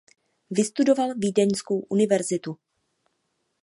Vystudoval Vídeňskou univerzitu.